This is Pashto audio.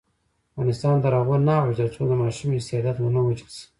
افغانستان تر هغو نه ابادیږي، ترڅو د ماشوم استعداد ونه وژل شي.